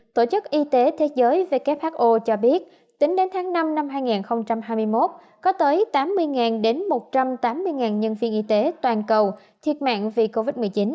tổ chức y tế thế giới who cho biết tính đến tháng năm năm hai nghìn hai mươi một có tới tám mươi đến một trăm tám mươi nhân viên y tế toàn cầu thiệt mạng vì covid một mươi chín